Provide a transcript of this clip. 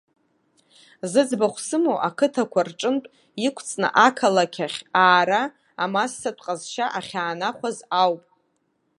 Зыӡбахә сымоу ақыҭақәа рҿынтә иқәҵны ақалақь ахь аара амассатә ҟазшьа ахьаанахәаз ауп.